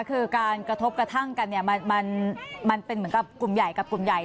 คือการกระทบกระทั่งกันเนี่ยมันเป็นเหมือนกับกลุ่มใหญ่กับกลุ่มใหญ่